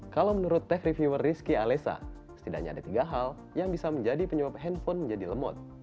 kalau menurut tech reviewer rizky alessa setidaknya ada tiga hal yang bisa menjadi penyebab handphone menjadi lemot